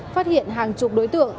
phát hiện hàng chục đối tượng